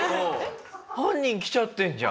犯人来ちゃってるじゃん。